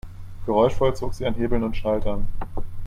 Geräuschvoll zog sie an Hebeln und Schaltern.